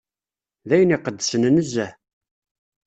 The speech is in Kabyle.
D ayen iqedsen nezzeh.